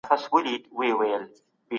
د نورو د خبرو پر ځای په اثر تمرکز وکړئ.